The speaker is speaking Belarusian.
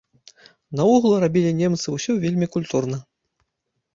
Наогул рабілі немцы ўсё вельмі культурна.